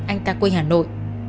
anh ta quê hà nội